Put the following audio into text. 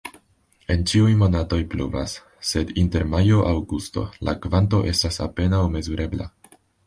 En ĉiuj monatoj pluvas, sed inter majo-aŭgusto la kvanto estas apenaŭ mezurebla.